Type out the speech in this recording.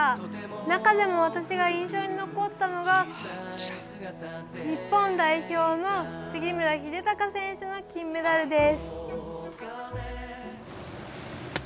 中でも私が印象に残ったのが日本代表の杉村英孝選手の金メダルです。